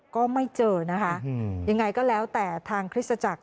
ก็ไม่เจอนะคะยังไงก็แล้วแต่ทางคริสตจักร